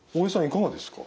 いかがですか？